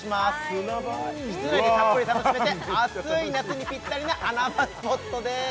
砂場室内でたっぷり楽しめて暑い夏にぴったりな穴場スポットです